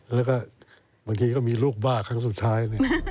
แล้วก็บางทีก็มีลูกบ้าครั้งสุดท้าย